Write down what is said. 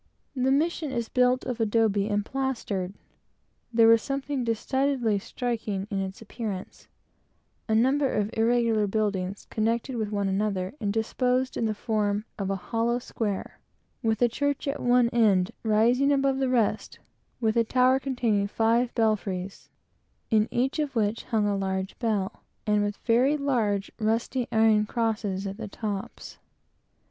The mission is built of mud, or rather of the unburnt bricks of the country, and plastered. There was something decidedly striking in its appearance: a number of irregular buildings, connected with one another, and disposed in the form of a hollow square, with a church at one end, rising above the rest, with a tower containing five belfries, in each of which hung a large bell, and with immense rusty iron crosses at the tops.